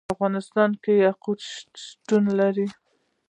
په افغانستان کې یاقوت شتون لري.